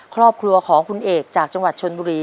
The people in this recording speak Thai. ครอบครัวของคุณเอกจากจังหวัดชนบุรี